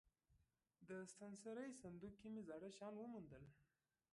د ستنسرۍ صندوق کې مې زاړه شیان وموندل.